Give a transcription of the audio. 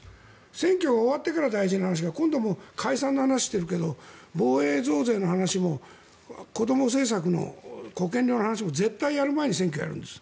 選挙が終わってから大事な話が今度、解散の話をしてるけど防衛増税の話もこども政策の話も絶対にやる前に選挙をやるんです。